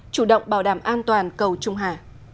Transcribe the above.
chủ động bảo đảm an toàn cầu trung hà